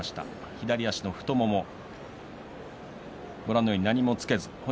左足の太もも、ご覧のように何もつけていません。